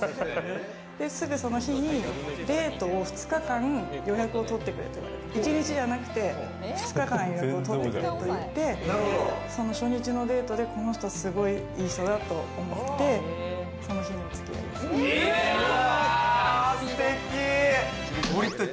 そのときにデートを２日間、予約を取ってくれと言われて、１日じゃなくて２日間予約を取ってくれと言われて、初日のデートでいい人だと思って、その日にお付き合いすることに。